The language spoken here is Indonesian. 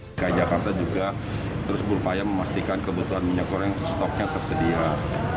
dki jakarta juga terus berupaya memastikan kebutuhan minyak goreng stoknya tersedia